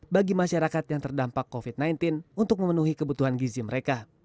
bagi masyarakat yang terdampak covid sembilan belas untuk memenuhi kebutuhan gizi mereka